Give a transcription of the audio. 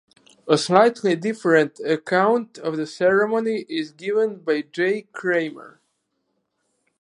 A slightly different account of the ceremony is given by J. Kreemer.